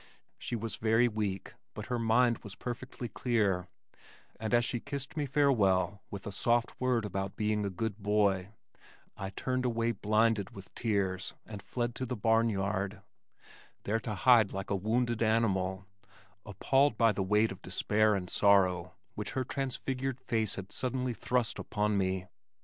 She was very weak, but her mind was perfectly clear, and as she kissed me farewell with a soft word about being a good boy, I turned away blinded with tears and fled to the barnyard, there to hide like a wounded animal, appalled by the weight of despair and sorrow which her transfigured face had suddenly thrust upon me.